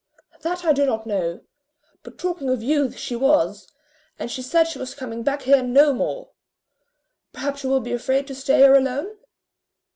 "That I do not know; but talking of you the was, and she said she was coming back here no more. Perhaps you will be afraid to stay here alone?"